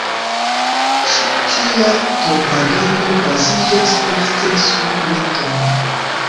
Ĉi tia propagando baziĝas ofte sur mitoj.